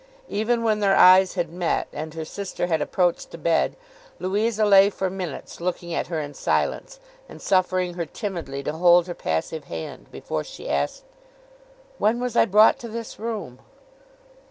Even when their eyes had met, and her sister had approached the bed, Louisa lay for minutes looking at her in silence, and suffering her timidly to hold her passive hand, before she asked: 'When was I brought to this room?